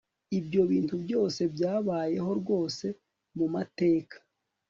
ibyo bintu byose byabayeho rwose mu mateka